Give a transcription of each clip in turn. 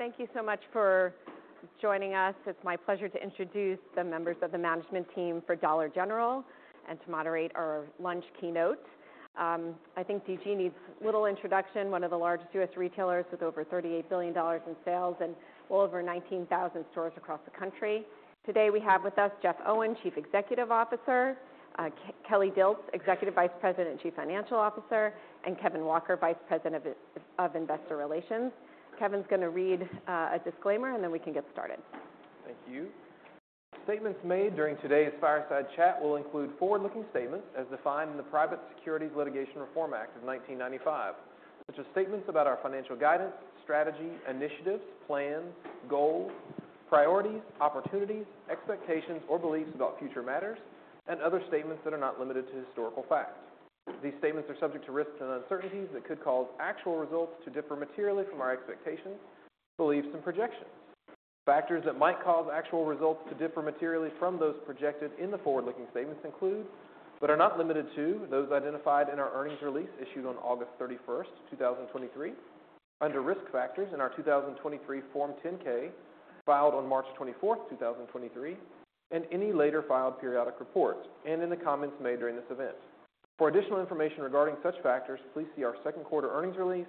Thank you so much for joining us. It's my pleasure to introduce the members of the management team for Dollar General and to moderate our lunch keynote. I think DG needs little introduction. One of the largest U.S. retailers, with over $38 billion in sales and well over 19,000 stores across the country. Today, we have with us Jeff Owen, Chief Executive Officer, Kelly Dilts, Executive Vice President and Chief Financial Officer, and Kevin Walker, Vice President of Investor Relations. Kevin's gonna read a disclaimer, and then we can get started. Thank you. Statements made during today's fireside chat will include forward-looking statements as defined in the Private Securities Litigation Reform Act of 1995, which are statements about our financial guidance, strategy, initiatives, plans, goals, priorities, opportunities, expectations, or beliefs about future matters, and other statements that are not limited to historical facts. These statements are subject to risks and uncertainties that could cause actual results to differ materially from our expectations, beliefs, and projections. Factors that might cause actual results to differ materially from those projected in the forward-looking statements include, but are not limited to, those identified in our earnings release issued on August 31, 2023, under Risk Factors in our 2023 Form 10-K, filed on March 24, 2023, and any later filed periodic reports, and in the comments made during this event. For additional information regarding such factors, please see our second quarter earnings release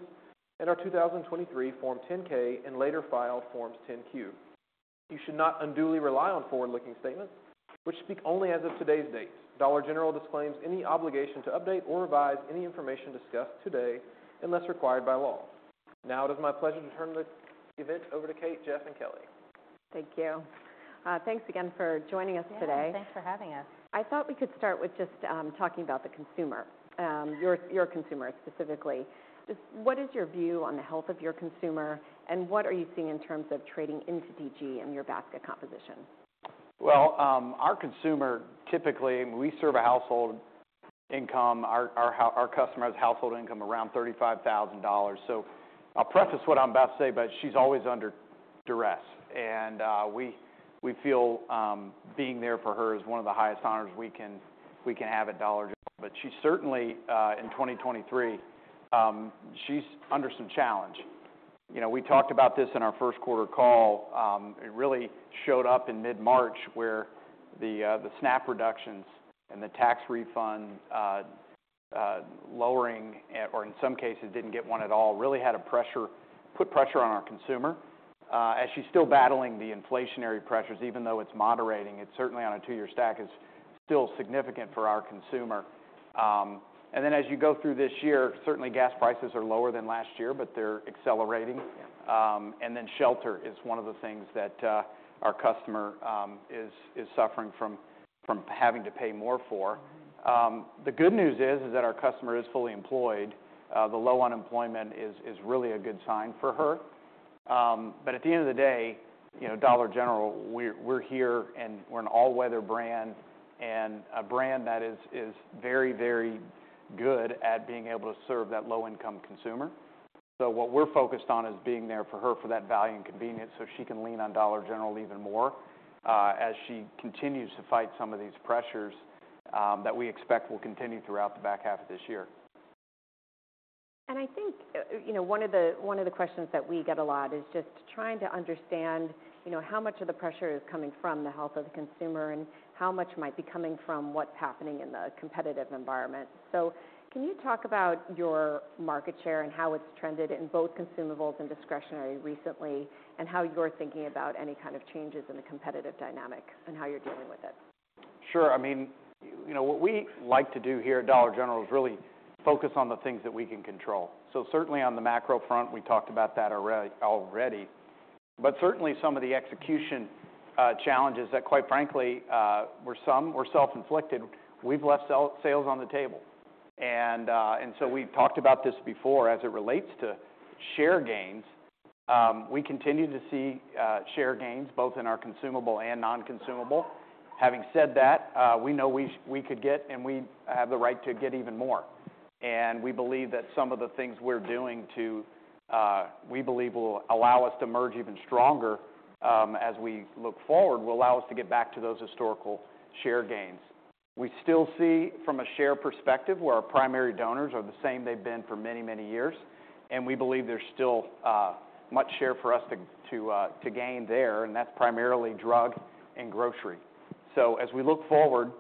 and our 2023 Form 10-K and later filed Forms 10-Q. You should not unduly rely on forward-looking statements, which speak only as of today's date. Dollar General disclaims any obligation to update or revise any information discussed today unless required by law. Now, it is my pleasure to turn this event over to Kate, Jeff, and Kelly. Thank you. Thanks again for joining us today. Yeah, thanks for having us. I thought we could start with just talking about the consumer, your, your consumer specifically. Just what is your view on the health of your consumer, and what are you seeing in terms of trading into DG and your basket composition? Well, our consumer, typically, we serve a household income... Our customer has household income around $35,000. So I'll preface what I'm about to say, but she's always under duress. And, we feel, being there for her is one of the highest honors we can have at Dollar General. But she certainly, in 2023, she's under some challenge. You know, we talked about this in our first quarter call. It really showed up in mid-March, where the SNAP reductions and the tax refund lowering, or in some cases, didn't get one at all, really put pressure on our consumer. As she's still battling the inflationary pressures, even though it's moderating, it's certainly on a two-year stack, is still significant for our consumer. As you go through this year, certainly gas prices are lower than last year, but they're accelerating. Shelter is one of the things that our customer is suffering from, having to pay more for. The good news is that our customer is fully employed. The low unemployment is really a good sign for her. But at the end of the day, you know, Dollar General, we're here, and we're an all-weather brand and a brand that is very, very good at being able to serve that low-income consumer. So what we're focused on is being there for her for that value and convenience, so she can lean on Dollar General even more, as she continues to fight some of these pressures, that we expect will continue throughout the back half of this year. I think, you know, one of the, one of the questions that we get a lot is just trying to understand, you know, how much of the pressure is coming from the health of the consumer and how much might be coming from what's happening in the competitive environment. So can you talk about your market share and how it's trended in both consumables and discretionary recently, and how you're thinking about any kind of changes in the competitive dynamic and how you're dealing with it? Sure. I mean, you know, what we like to do here at Dollar General is really focus on the things that we can control. So certainly on the macro front, we talked about that already, already. But certainly some of the execution challenges that quite frankly were some self-inflicted. We've left sales on the table, and so we've talked about this before as it relates to share gains. We continue to see share gains both in our consumable and non-consumable. Having said that, we know we could get, and we have the right to get even more. And we believe that some of the things we're doing to we believe will allow us to emerge even stronger, as we look forward, will allow us to get back to those historical share gains. We still see from a share perspective, where our primary customers are the same they've been for many, many years, and we believe there's still much share for us to gain there, and that's primarily drug and grocery. So as we look forward,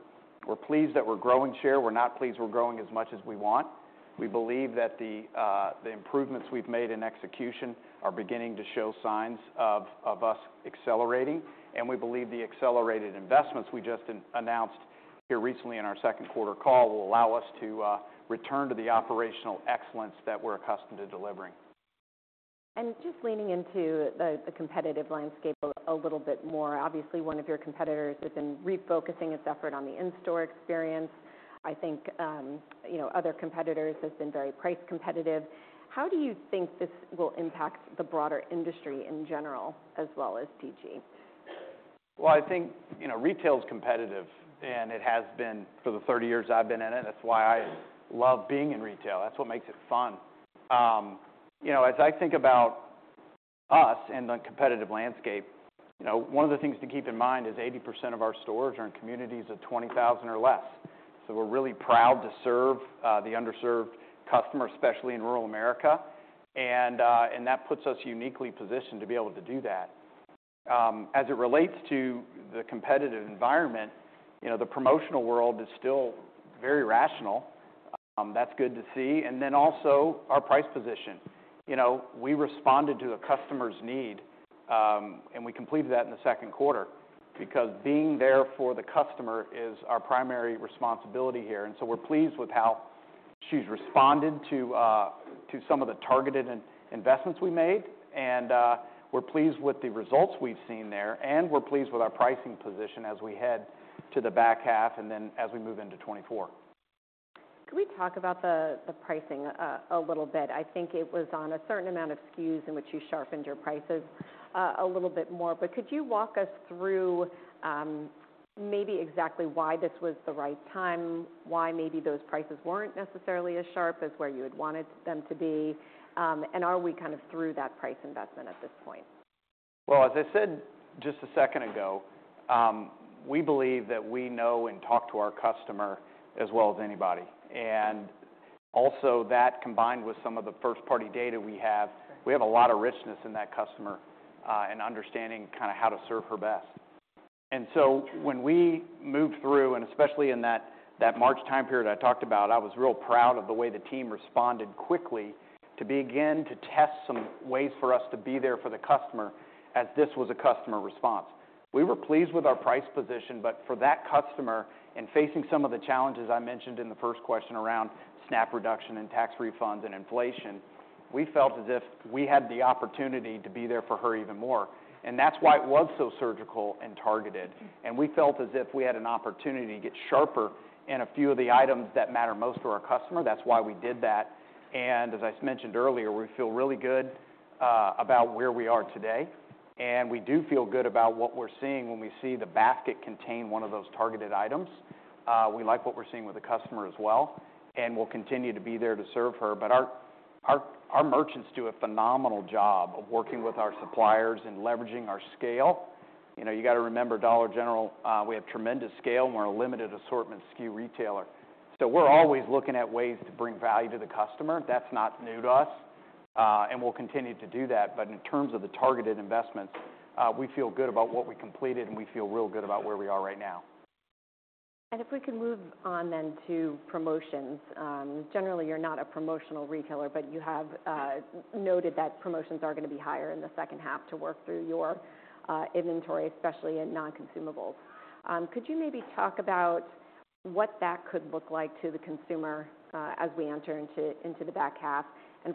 we're pleased that we're growing share. We're not pleased we're growing as much as we want. We believe that the improvements we've made in execution are beginning to show signs of us accelerating, and we believe the accelerated investments we just announced here recently in our second quarter call will allow us to return to the operational excellence that we're accustomed to delivering. Just leaning into the competitive landscape a little bit more. Obviously, one of your competitors has been refocusing its effort on the in-store experience. I think, you know, other competitors have been very price competitive. How do you think this will impact the broader industry in general as well as DG? Well, I think, you know, retail is competitive, and it has been for the 30 years I've been in it. That's why I love being in retail. That's what makes it fun. You know, as I think about us and the competitive landscape, you know, one of the things to keep in mind is 80% of our stores are in communities of 20,000 or less. So we're really proud to serve the underserved customers, especially in rural America. And that puts us uniquely positioned to be able to do that. As it relates to the competitive environment, you know, the promotional world is still very rational. That's good to see. And then also, our price position. You know, we responded to the customer's need, and we completed that in the second quarter, because being there for the customer is our primary responsibility here. And so we're pleased with how she's responded to some of the targeted investments we made, and, we're pleased with the results we've seen there, and we're pleased with our pricing position as we head to the back half, and then as we move into 2024. Can we talk about the pricing a little bit? I think it was on a certain amount of SKUs in which you sharpened your prices a little bit more. But could you walk us through maybe exactly why this was the right time, why maybe those prices weren't necessarily as sharp as where you had wanted them to be? And are we kind of through that price investment at this point? Well, as I said just a second ago, we believe that we know and talk to our customer as well as anybody. And also, that combined with some of the first-party data we have, we have a lot of richness in that customer, and understanding kinda how to serve her best. And so when we moved through, and especially in that, that March time period I talked about, I was real proud of the way the team responded quickly to begin to test some ways for us to be there for the customer, as this was a customer response. We were pleased with our price position, but for that customer, and facing some of the challenges I mentioned in the first question around SNAP reduction and tax refunds and inflation, we felt as if we had the opportunity to be there for her even more. And that's why it was so surgical and targeted, and we felt as if we had an opportunity to get sharper in a few of the items that matter most to our customer. That's why we did that. And as I mentioned earlier, we feel really good about where we are today, and we do feel good about what we're seeing when we see the basket contain one of those targeted items. We like what we're seeing with the customer as well, and we'll continue to be there to serve her. But our merchants do a phenomenal job of working with our suppliers and leveraging our scale. You know, you gotta remember, Dollar General, we have tremendous scale, and we're a limited assortment SKU retailer. So we're always looking at ways to bring value to the customer. That's not new to us, and we'll continue to do that. But in terms of the targeted investments, we feel good about what we completed, and we feel real good about where we are right now. If we can move on then to promotions. Generally, you're not a promotional retailer, but you have noted that promotions are gonna be higher in the second half to work through your inventory, especially in non-consumables. Could you maybe talk about what that could look like to the consumer as we enter into the back half?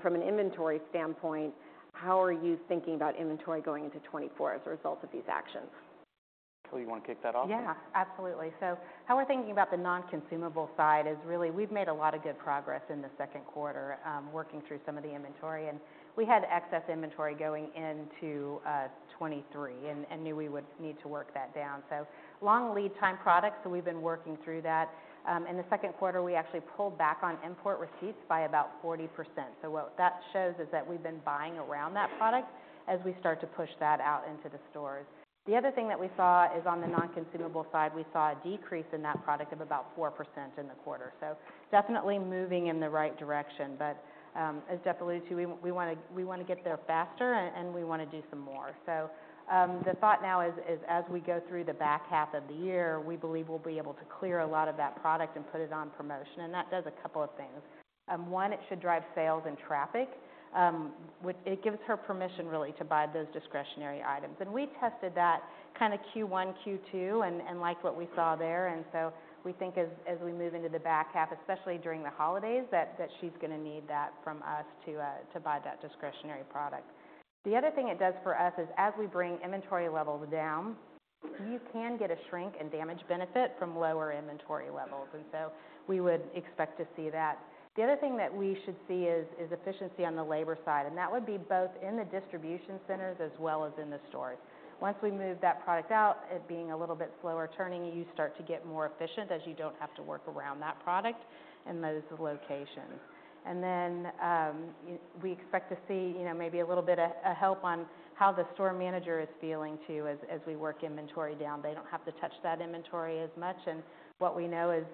From an inventory standpoint, how are you thinking about inventory going into 2024 as a result of these actions? Kelly, you wanna kick that off? Yeah, absolutely. So how we're thinking about the non-consumable side is really we've made a lot of good progress in the second quarter, working through some of the inventory. And we had excess inventory going into 2023 and knew we would need to work that down. So long lead time products, so we've been working through that. In the second quarter, we actually pulled back on import receipts by about 40%. So what that shows is that we've been buying around that product as we start to push that out into the stores. The other thing that we saw is on the non-consumable side, we saw a decrease in that product of about 4% in the quarter. So definitely moving in the right direction. But, as Jeff alluded to, we wanna get there faster, and we wanna do some more. So, the thought now is as we go through the back half of the year, we believe we'll be able to clear a lot of that product and put it on promotion, and that does a couple of things. One, it should drive sales and traffic; it gives her permission, really, to buy those discretionary items. And we tested that kinda Q1, Q2, and liked what we saw there. And so we think as we move into the back half, especially during the holidays, that she's gonna need that from us to buy that discretionary product. The other thing it does for us is, as we bring inventory levels down, you can get a shrink and damage benefit from lower inventory levels, and so we would expect to see that. The other thing that we should see is efficiency on the labor side, and that would be both in the distribution centers as well as in the stores. Once we move that product out, it being a little bit slower turning, you start to get more efficient, as you don't have to work around that product in those locations. And then, we expect to see, you know, maybe a little bit of a help on how the store manager is feeling, too, as we work inventory down. They don't have to touch that inventory as much, and what we know is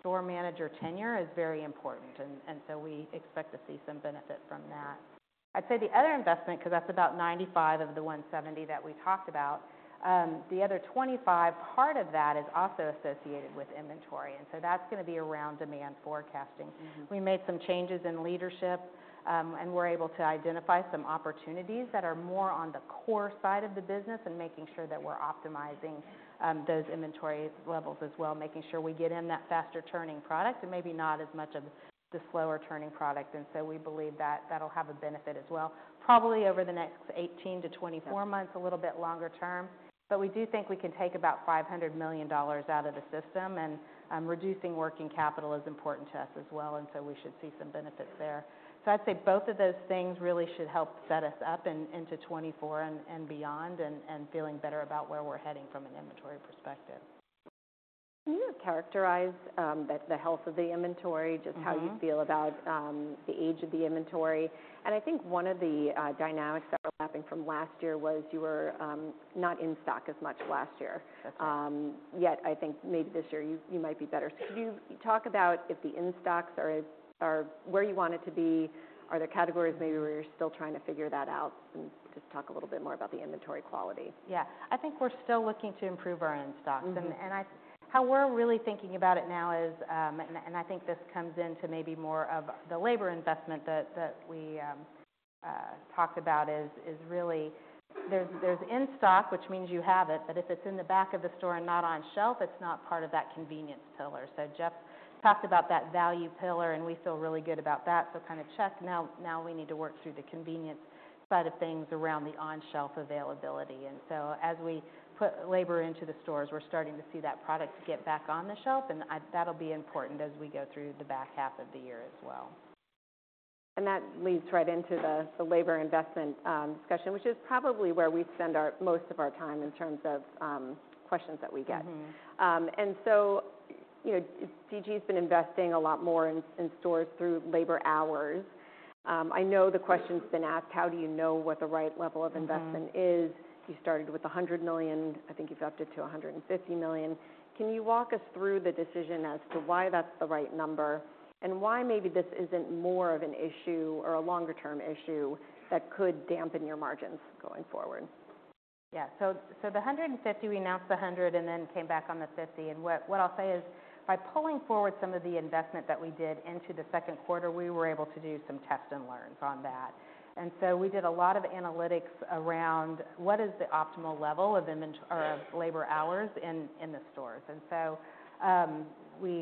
store manager tenure is very important, and so we expect to see some benefit from that. I'd say the other investment, because that's about $95 of the $170 that we talked about, the other $25, part of that is also associated with inventory, and so that's gonna be around demand forecasting. We made some changes in leadership, and we're able to identify some opportunities that are more on the core side of the business and making sure that we're optimizing those inventory levels as well, making sure we get in that faster-turning product and maybe not as much of the slower-turning product. And so we believe that that'll have a benefit as well, probably over the next 18-24 months, a little bit longer term. But we do think we can take about $500 million out of the system, and reducing working capital is important to us as well, and so we should see some benefits there. So I'd say both of those things really should help set us up into 2024 and beyond, and feeling better about where we're heading from an inventory perspective. ... Can you characterize the health of the inventory, just how- Mm-hmm -you feel about, the age of the inventory? And I think one of the, dynamics overlapping from last year was you were, not in stock as much last year. That's right. Yet I think maybe this year you might be better. So can you talk about if the in-stocks are where you want it to be? Are there categories maybe where you're still trying to figure that out, and just talk a little bit more about the inventory quality? Yeah. I think we're still looking to improve our in-stocks. Mm-hmm. How we're really thinking about it now is, I think this comes into maybe more of the labor investment that we talked about, is really there's in-stock, which means you have it, but if it's in the back of the store and not on shelf, it's not part of that convenience pillar. So Jeff talked about that value pillar, and we feel really good about that. So kind of check, now we need to work through the convenience side of things around the on-shelf availability. And so as we put labor into the stores, we're starting to see that product get back on the shelf, and that'll be important as we go through the back half of the year as well. That leads right into the labor investment discussion, which is probably where we spend most of our time in terms of questions that we get. Mm-hmm. And so, you know, DG has been investing a lot more in stores through labor hours. I know the question's been asked: how do you know what the right level of investment is? Mm-hmm. You started with $100 million. I think you've upped it to $150 million. Can you walk us through the decision as to why that's the right number, and why maybe this isn't more of an issue or a longer-term issue that could dampen your margins going forward? Yeah. So the 150, we announced the 100 and then came back on the 50. And what I'll say is, by pulling forward some of the investment that we did into the second quarter, we were able to do some test and learns on that. And so we did a lot of analytics around: what is the optimal level of or labor hours in the stores? And so we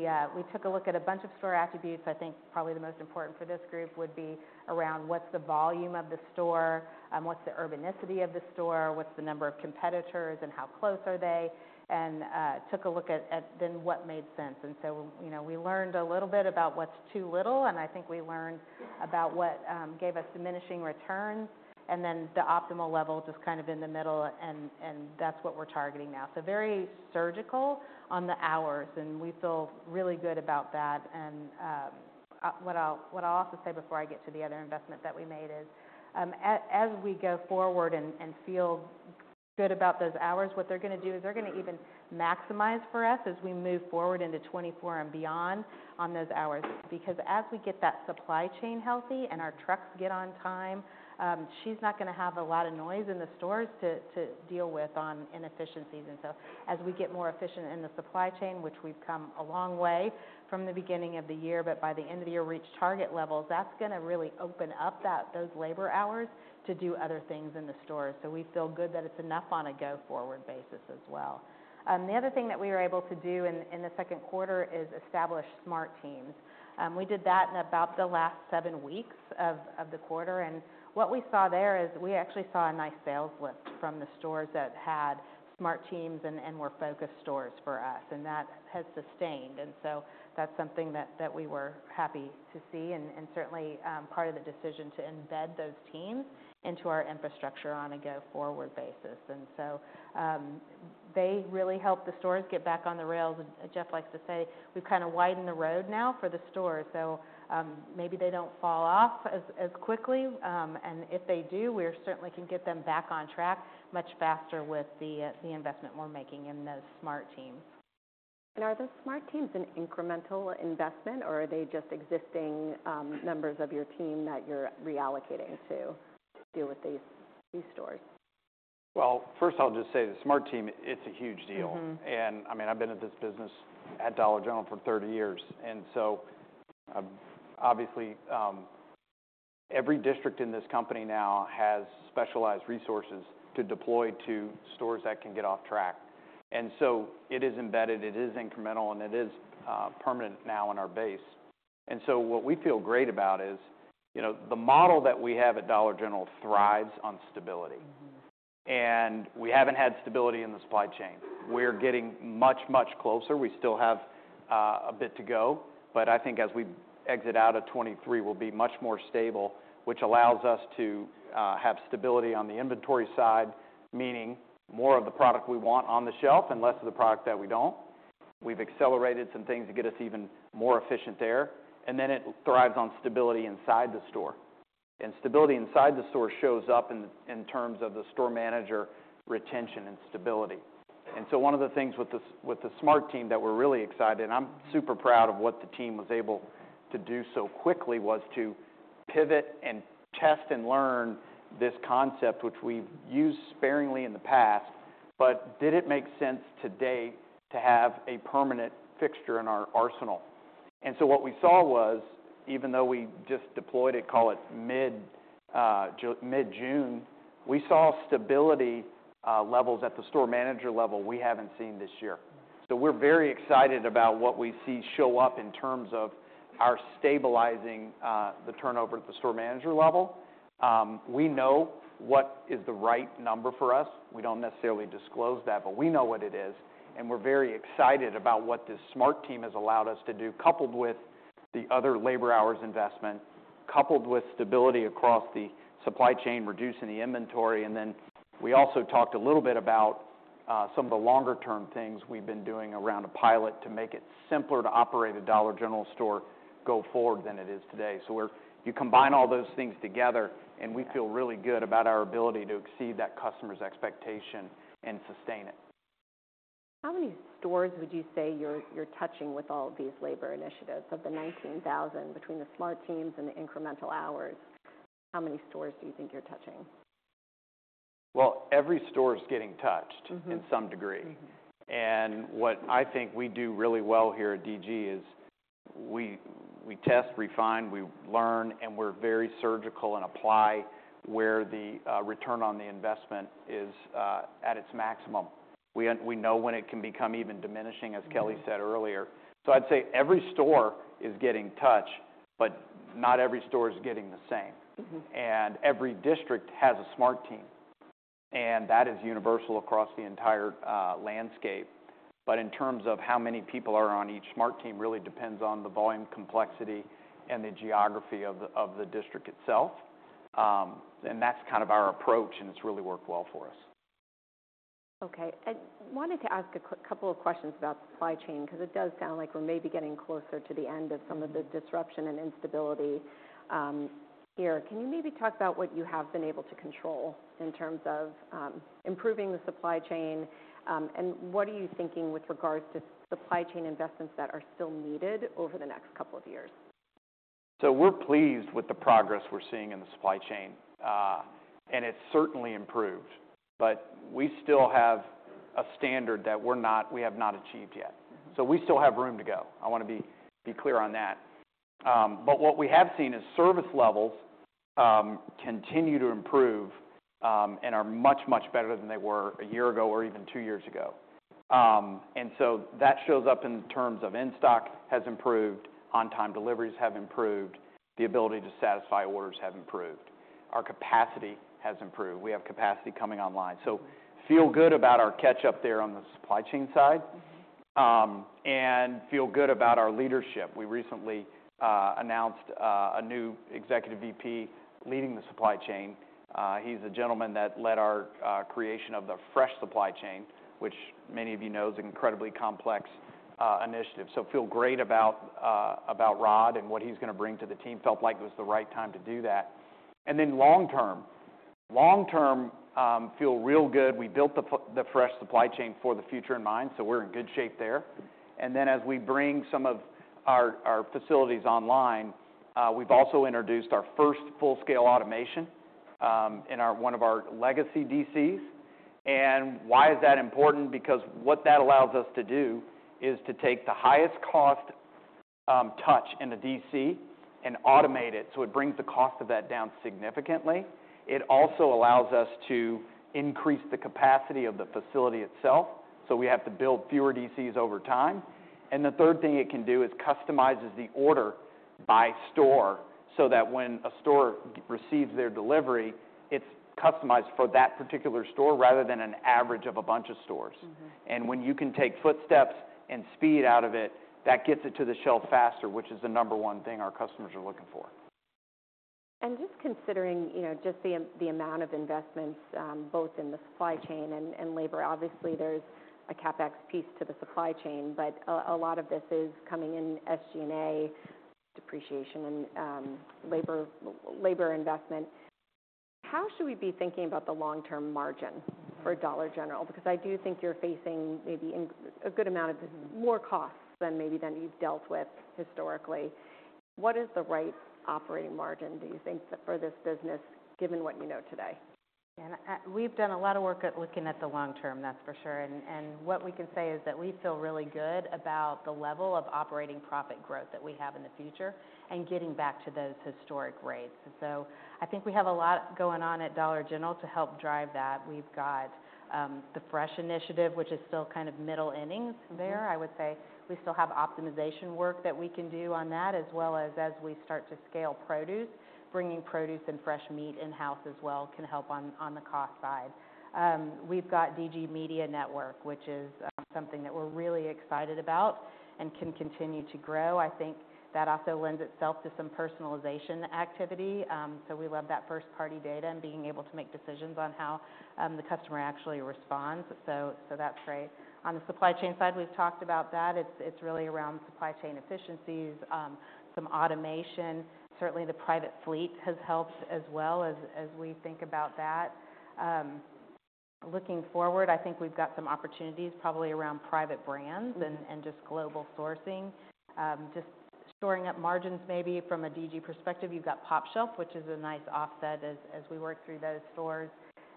took a look at a bunch of store attributes. I think probably the most important for this group would be around what's the volume of the store, what's the urbanicity of the store, what's the number of competitors, and how close are they? And took a look at then what made sense. And so, you know, we learned a little bit about what's too little, and I think we learned about what gave us diminishing returns, and then the optimal level, just kind of in the middle, and that's what we're targeting now. So very surgical on the hours, and we feel really good about that. And what I'll also say before I get to the other investment that we made is, as we go forward and feel good about those hours, what they're gonna do is they're gonna even maximize for us as we move forward into 2024 and beyond on those hours. Because as we get that supply chain healthy and our trucks get on time, she's not gonna have a lot of noise in the stores to deal with on inefficiencies. And so as we get more efficient in the supply chain, which we've come a long way from the beginning of the year, but by the end of the year, reach target levels, that's gonna really open up those labor hours to do other things in the store. So we feel good that it's enough on a go-forward basis as well. The other thing that we were able to do in the second quarter is establish Smart Teams. We did that in about the last seven weeks of the quarter, and what we saw there is we actually saw a nice sales lift from the stores that had Smart Teams and more focused stores for us, and that has sustained. That's something that we were happy to see and certainly part of the decision to embed those teams into our infrastructure on a go-forward basis. So they really helped the stores get back on the rails. As Jeff likes to say: "We've kind of widened the road now for the stores," so maybe they don't fall off as quickly. And if they do, we certainly can get them back on track much faster with the investment we're making in those Smart Teams. Are those Smart Teams an incremental investment, or are they just existing members of your team that you're reallocating to deal with these, these stores? Well, first of all, I'll just say the Smart Team, it's a huge deal. Mm-hmm. And I mean, I've been at this business at Dollar General for 30 years, and so, obviously, every district in this company now has specialized resources to deploy to stores that can get off track. And so it is embedded, it is incremental, and it is permanent now in our base. And so what we feel great about is, you know, the model that we have at Dollar General thrives on stability. Mm-hmm. We haven't had stability in the supply chain. We're getting much, much closer. We still have a bit to go, but I think as we exit out of 2023, we'll be much more stable, which allows us to have stability on the inventory side, meaning more of the product we want on the shelf and less of the product that we don't. We've accelerated some things to get us even more efficient there, and then it thrives on stability inside the store. Stability inside the store shows up in terms of the store manager retention and stability. One of the things with the Smart Team that we're really excited, and I'm super proud of what the team was able to do so quickly, was to pivot and test and learn this concept, which we've used sparingly in the past, but did it make sense today to have a permanent fixture in our arsenal? What we saw was, even though we just deployed it, call it mid-June, we saw stability levels at the store manager level we haven't seen this year. We're very excited about what we see show up in terms of our stabilizing the turnover at the store manager level. We know what is the right number for us. We don't necessarily disclose that, but we know what it is, and we're very excited about what this Smart Team has allowed us to do, coupled with the other labor hours investment, coupled with stability across the supply chain, reducing the inventory. And then we also talked a little bit about some of the longer term things we've been doing around a pilot to make it simpler to operate a Dollar General store go forward than it is today. So you combine all those things together, and we feel really good about our ability to exceed that customer's expectation and sustain it. How many stores would you say you're touching with all of these labor initiatives? Of the 19,000, between the Smart Teams and the incremental hours, how many stores do you think you're touching? Well, every store is getting touched- Mm-hmm. in some degree. And what I think we do really well here at DG is we, we test, refine, we learn, and we're very surgical and apply where the return on the investment is at its maximum. We, we know when it can become even diminishing, as Kelly said earlier. So I'd say every store is getting touched, but not every store is getting the same. Mm-hmm. Every district has a Smart Team, and that is universal across the entire landscape. In terms of how many people are on each Smart Team, really depends on the volume complexity and the geography of the district itself. That's kind of our approach, and it's really worked well for us. Okay. I wanted to ask a couple of questions about supply chain, 'cause it does sound like we're maybe getting closer to the end of some of the disruption and instability here. Can you maybe talk about what you have been able to control in terms of improving the supply chain? And what are you thinking with regards to supply chain investments that are still needed over the next couple of years? So we're pleased with the progress we're seeing in the supply chain, and it's certainly improved. But we still have a standard that we have not achieved yet. So we still have room to go. I wanna be clear on that. But what we have seen is service levels continue to improve, and are much, much better than they were a year ago or even two years ago. And so that shows up in terms of in-stock has improved, on-time deliveries have improved, the ability to satisfy orders have improved. Our capacity has improved. We have capacity coming online. So feel good about our catch up there on the supply chain side. Mm-hmm. Feel good about our leadership. We recently announced a new Executive VP leading the supply chain. He's a gentleman that led our creation of the fresh supply chain, which many of you know, is an incredibly complex initiative. So feel great about Rod and what he's gonna bring to the team. Felt like it was the right time to do that. And then long term. Long term, feel real good. We built the fresh supply chain for the future in mind, so we're in good shape there. And then as we bring some of our facilities online, we've also introduced our first full-scale automation in one of our legacy DCs. And why is that important? Because what that allows us to do is to take the highest cost, touch in the DC and automate it, so it brings the cost of that down significantly. It also allows us to increase the capacity of the facility itself, so we have to build fewer DCs over time. And the third thing it can do is customizes the order by store, so that when a store receives their delivery, it's customized for that particular store rather than an average of a bunch of stores. Mm-hmm. When you can take footsteps and speed out of it, that gets it to the shelf faster, which is the number one thing our customers are looking for. Just considering, you know, just the amount of investments both in the supply chain and labor, obviously, there's a CapEx piece to the supply chain, but a lot of this is coming in SG&A depreciation and labor investment. How should we be thinking about the long-term margin for Dollar General? Because I do think you're facing a good amount of more costs than you've dealt with historically. What is the right operating margin, do you think, for this business, given what you know today? And, we've done a lot of work at looking at the long term, that's for sure. And, and what we can say is that we feel really good about the level of operating profit growth that we have in the future and getting back to those historic rates. So I think we have a lot going on at Dollar General to help drive that. We've got, the fresh initiative, which is still kind of middle innings there. Mm-hmm. I would say we still have optimization work that we can do on that, as well as we start to scale produce, bringing produce and fresh meat in-house as well, can help on the cost side. We've got DG Media Network, which is something that we're really excited about and can continue to grow. I think that also lends itself to some personalization activity. So we love that first-party data and being able to make decisions on how the customer actually responds. So that's great. On the supply chain side, we've talked about that. It's really around supply chain efficiencies, some automation. Certainly, the private fleet has helped as well as we think about that. Looking forward, I think we've got some opportunities, probably around private brands- Mm-hmm. and just global sourcing. Just shoring up margins, maybe from a DG perspective, you've got pOpshelf, which is a nice offset as we work through those stores.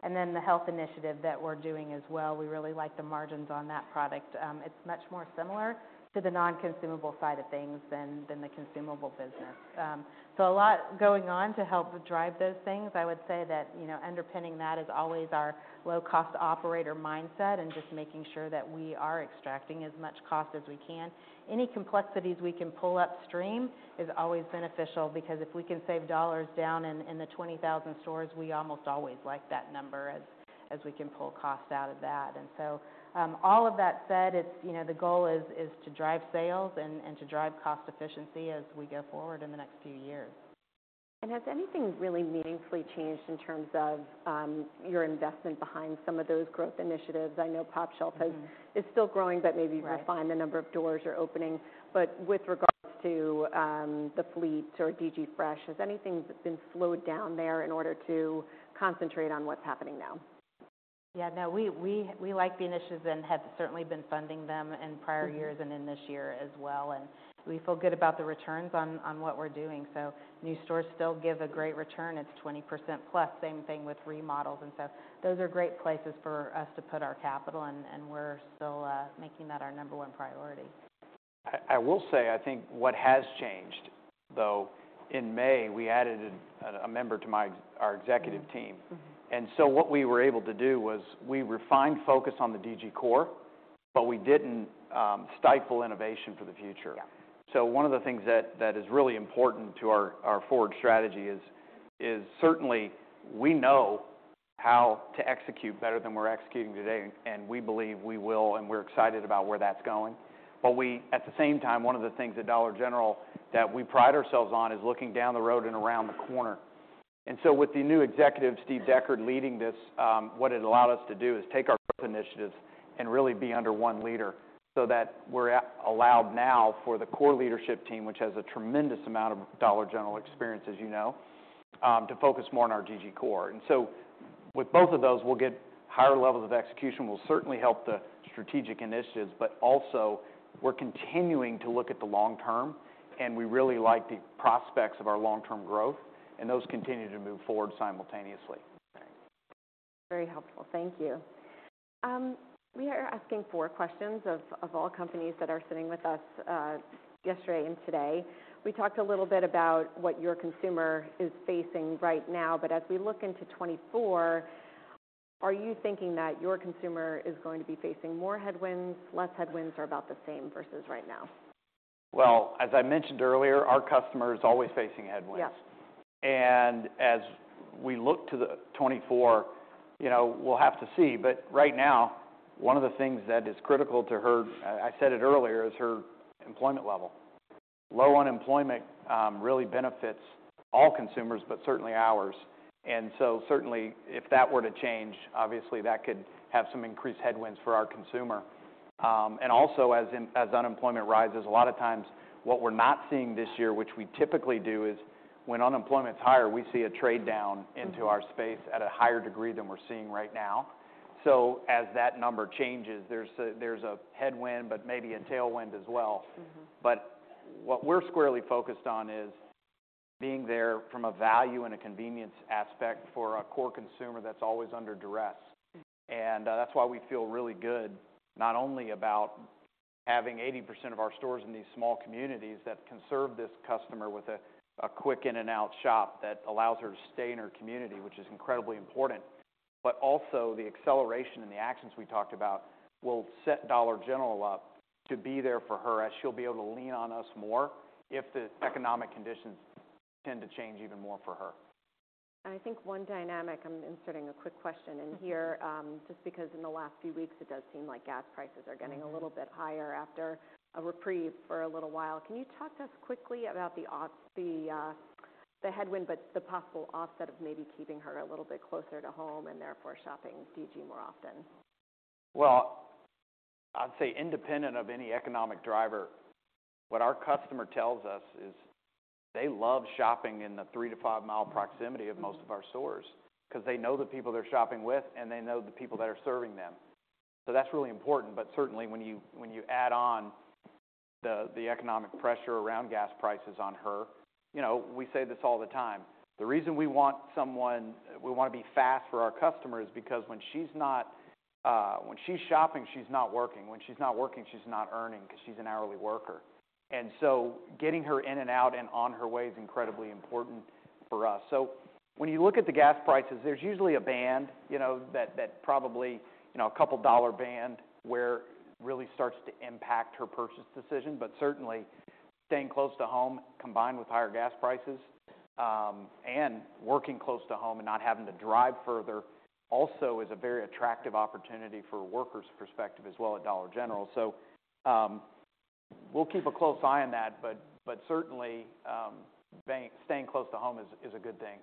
And then the health initiative that we're doing as well, we really like the margins on that product. It's much more similar to the non-consumable side of things than the consumable business. So a lot going on to help drive those things. I would say that, you know, underpinning that is always our low-cost operator mindset and just making sure that we are extracting as much cost as we can. Any complexities we can pull upstream is always beneficial, because if we can save dollars down in the 20,000 stores, we almost always like that number as we can pull costs out of that. So, all of that said, it's, you know, the goal is to drive sales and to drive cost efficiency as we go forward in the next few years. ...has anything really meaningfully changed in terms of your investment behind some of those growth initiatives? I know pOpshelf is still growing, but maybe- Right You refined the number of doors you're opening. But with regards to the fleet or DG Fresh, has anything been slowed down there in order to concentrate on what's happening now? Yeah, no, we like the initiatives and have certainly been funding them in prior years and in this year as well, and we feel good about the returns on what we're doing. So new stores still give a great return. It's 20%+. Same thing with remodels, and so those are great places for us to put our capital and we're still making that our number one priority. I will say, I think what has changed, though, in May, we added a member to my, our executive team. Mm-hmm. What we were able to do was we refined focus on the DG core, but we didn't stifle innovation for the future. Yeah. So one of the things that is really important to our forward strategy is certainly we know how to execute better than we're executing today, and we believe we will, and we're excited about where that's going. But at the same time, one of the things at Dollar General that we pride ourselves on is looking down the road and around the corner. And so with the new executive, Steve Deckard, leading this, what it allowed us to do is take our initiatives and really be under one leader so that we're allowed now for the core leadership team, which has a tremendous amount of Dollar General experience, as you know, to focus more on our DG core. And so with both of those, we'll get higher levels of execution. We'll certainly help the strategic initiatives, but also we're continuing to look at the long term, and we really like the prospects of our long-term growth, and those continue to move forward simultaneously. Very helpful. Thank you. We are asking four questions of all companies that are sitting with us, yesterday and today. We talked a little bit about what your consumer is facing right now, but as we look into 2024, are you thinking that your consumer is going to be facing more headwinds, less headwinds, or about the same versus right now? Well, as I mentioned earlier, our customer is always facing headwinds. Yeah. As we look to 2024, you know, we'll have to see. But right now, one of the things that is critical to her, I said it earlier, is her employment level. Low unemployment really benefits all consumers, but certainly ours, and so certainly if that were to change, obviously that could have some increased headwinds for our consumer. And also as unemployment rises, a lot of times what we're not seeing this year, which we typically do, is when unemployment is higher, we see a trade-down into our space at a higher degree than we're seeing right now. So as that number changes, there's a headwind, but maybe a tailwind as well. Mm-hmm. What we're squarely focused on is being there from a value and a convenience aspect for a core consumer that's always under duress. Mm-hmm. That's why we feel really good, not only about having 80% of our stores in these small communities that can serve this customer with a quick in-and-out shop that allows her to stay in her community, which is incredibly important. But also, the acceleration and the actions we talked about will set Dollar General up to be there for her, as she'll be able to lean on us more if the economic conditions tend to change even more for her. I think one dynamic, I'm inserting a quick question in here, just because in the last few weeks, it does seem like gas prices are- Mm-hmm... getting a little bit higher after a reprieve for a little while. Can you talk to us quickly about the headwind, but the possible offset of maybe keeping her a little bit closer to home and therefore shopping DG more often? Well, I'd say independent of any economic driver, what our customer tells us is they love shopping in the 3-5-mile proximity of most of our stores because they know the people they're shopping with, and they know the people that are serving them. So that's really important, but certainly, when you add on the economic pressure around gas prices on her, you know, we say this all the time: the reason we want someone—we wanna be fast for our customer is because when she's not, when she's shopping, she's not working. When she's not working, she's not earning because she's an hourly worker. And so getting her in and out and on her way is incredibly important for us. So when you look at the gas prices, there's usually a band, you know, that probably, you know, a couple dollar band, where it really starts to impact her purchase decision. But certainly, staying close to home, combined with higher gas prices, and working close to home and not having to drive further, also is a very attractive opportunity for a worker's perspective as well at Dollar General. So, we'll keep a close eye on that, but certainly, being, staying close to home is a good thing.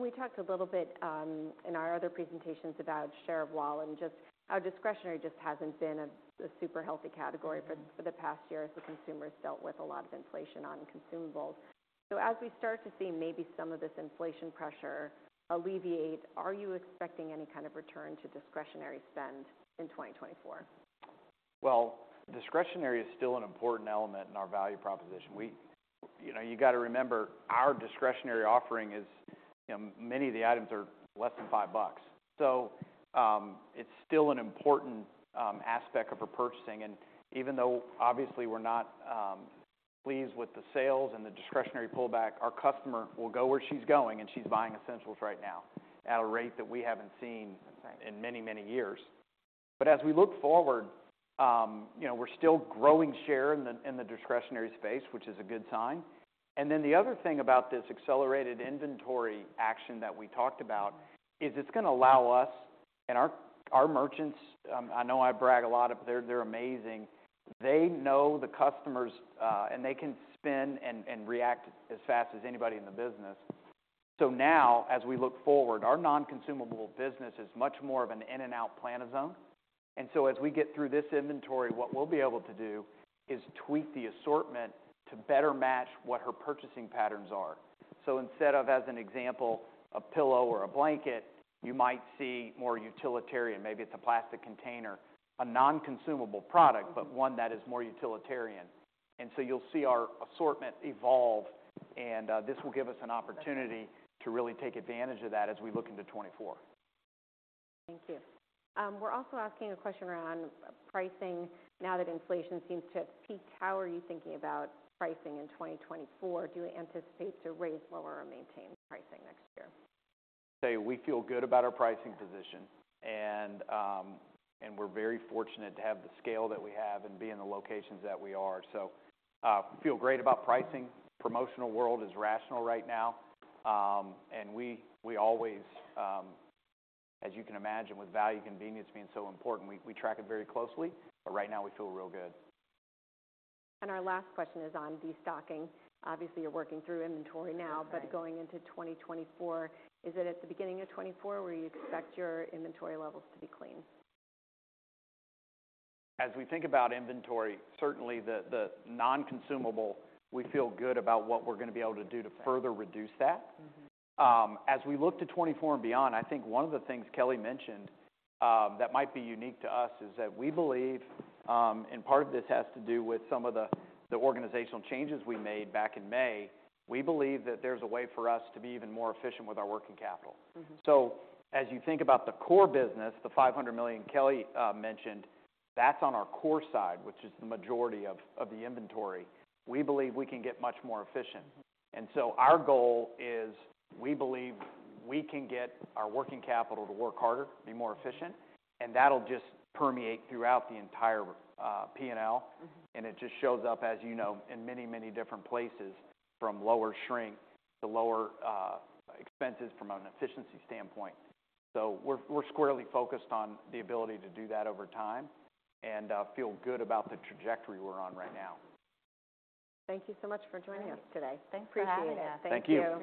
We talked a little bit in our other presentations about share of wallet and just how discretionary just hasn't been a super healthy category- Mm-hmm... for the past year, as the consumers dealt with a lot of inflation on consumables. So as we start to see maybe some of this inflation pressure alleviate, are you expecting any kind of return to discretionary spend in 2024? Well, discretionary is still an important element in our value proposition. We you know, you got to remember, our discretionary offering is, many of the items are less than five bucks. So, it's still an important aspect of her purchasing, and even though obviously we're not pleased with the sales and the discretionary pullback, our customer will go where she's going, and she's buying essentials right now at a rate that we haven't seen- That's right... in many, many years. But as we look forward, you know, we're still growing share in the, in the discretionary space, which is a good sign. And then the other thing about this accelerated inventory action that we talked about is it's gonna allow us... And our merchants, I know I brag a lot, but they're amazing. They know the customers, and they can spin and react as fast as anybody in the business. So now, as we look forward, our non-consumable business is much more of an in-and-out plan a zone. And so as we get through this inventory, what we'll be able to do is tweak the assortment to better match what her purchasing patterns are. So instead of, as an example, a pillow or a blanket, you might see more utilitarian. Maybe it's a plastic container, a non-consumable product, but one that is more utilitarian. And so you'll see our assortment evolve, and this will give us an opportunity to really take advantage of that as we look into 2024. Thank you. We're also asking a question around pricing. Now that inflation seems to have peaked, how are you thinking about pricing in 2024? Do you anticipate to raise, lower, or maintain pricing next year? Say we feel good about our pricing position, and we're very fortunate to have the scale that we have and be in the locations that we are. So, feel great about pricing. Promotional world is rational right now, and we, we always, as you can imagine, with value, convenience being so important, we, we track it very closely, but right now we feel real good. Our last question is on destocking. Obviously, you're working through inventory now- Right... but going into 2024, is it at the beginning of 2024, where you expect your inventory levels to be clean? As we think about inventory, certainly the non-consumable, we feel good about what we're gonna be able to do to further reduce that. Mm-hmm. As we look to 2024 and beyond, I think one of the things Kelly mentioned, that might be unique to us is that we believe, and part of this has to do with some of the organizational changes we made back in May. We believe that there's a way for us to be even more efficient with our working capital. Mm-hmm. So as you think about the core business, the $500 million Kelly mentioned, that's on our core side, which is the majority of the inventory. We believe we can get much more efficient. And so our goal is, we believe we can get our working capital to work harder, be more efficient, and that'll just permeate throughout the entire P&L. Mm-hmm. It just shows up, as you know, in many, many different places, from lower shrink to lower expenses from an efficiency standpoint. We're squarely focused on the ability to do that over time and feel good about the trajectory we're on right now. Thank you so much for joining us today. Thanks for having us. Appreciate it. Thank you.